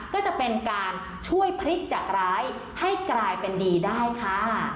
ก็จะเป็นการช่วยพลิกจากร้ายให้กลายเป็นดีได้ค่ะ